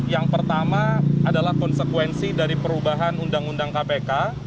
yang pertama adalah konsekuensi dari perubahan undang undang kpk